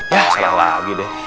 ya salah lagi deh